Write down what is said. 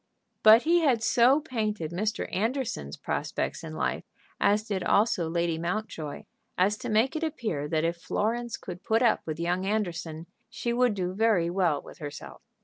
But he so painted Mr. Anderson's prospects in life, as did also Lady Mountjoy, as to make it appear that if Florence could put up with young Anderson she would do very well with herself.